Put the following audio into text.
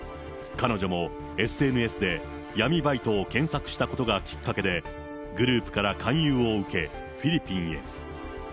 彼女もＳＮＳで闇バイトを検索したことがきっかけで、グループから勧誘を受け、フィリピンへ。